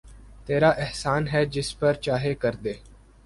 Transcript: تیرا احسان ہے جس پر چاہے کردے